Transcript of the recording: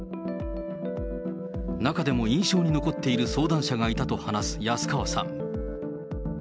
中でも印象に残っている相談者がいたと話す安川さん。